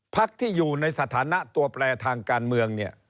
พักที่อยู่ในสถานะตัวแปลทางการเมืองเนี่ย